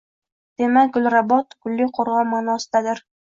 Demak, Gulrabot – «gulli qo‘rg‘on» ma’nosidadir.